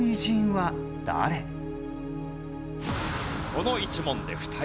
この１問で２人が落第。